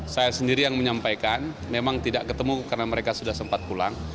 saya sendiri yang menyampaikan memang tidak ketemu karena mereka sudah sempat pulang